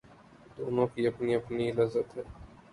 دونوں کی اپنی اپنی لذت ہے